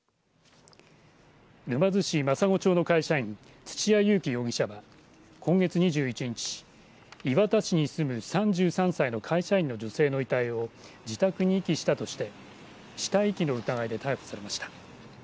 沼津市真砂町の会社員土屋勇貴容疑者は今月２１日磐田市に住む３３歳の会社員の女性の遺体を自宅に遺棄したとして死体遺棄の疑いで逮捕されました。